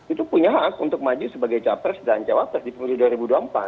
itu punya hak untuk maju sebagai capres dan cawapres di pemilu dua ribu dua puluh empat